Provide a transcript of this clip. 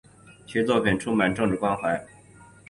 其作品充满政治关怀。